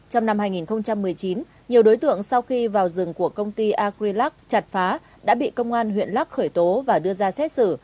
trong năm hai nghìn một mươi chín nhiều đối tượng sau khi vào rừng của công ty agrilac chặt phá đã bị công an huyện lắc khởi tố và đưa ra xét xử